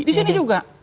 di sini juga